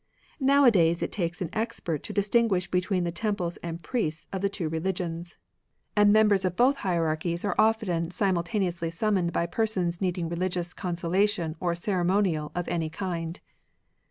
Nowadays it takes an expert to distinguish between the temples and priests of the two re 63 RELIGIONS OF ANCIENT CHINA ligions, and members of both hierarchies are often simultaneously summoned by persons need ing religious consolation or ceremonial of any kind.